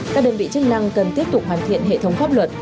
các đơn vị chức năng cần tiếp tục hoàn thiện hệ thống pháp luật